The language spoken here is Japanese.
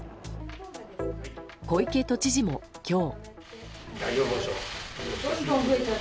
小池都知事も、今日。